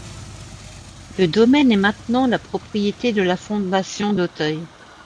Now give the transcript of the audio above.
Le domaine est maintenant la propriété de la Fondation d’Auteuil.